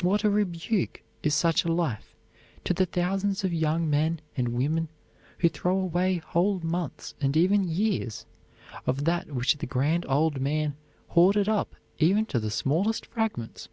What a rebuke is such a life to the thousands of young men and women who throw away whole months and even years of that which the "Grand Old Man" hoarded up even to the smallest fragments!